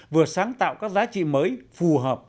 vừa sáng tạo các giá trị mới phù hợp